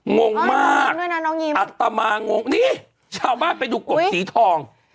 งงมากอัตมางงนี่ชาวบ้านไปดูกบสีทอง